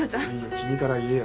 君から言えよ。